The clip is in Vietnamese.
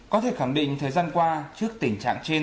có thể khẳng định thời gian qua trước tình trạng trên